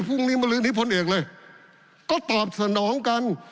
พรุ่งนี้มาลื้อนี้พลเอกเลยก็ตอบสนองกัน